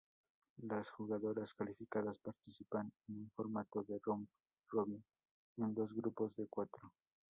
Las jugadoras calificadas participan en un formato de round-robin en dos grupos de cuatro.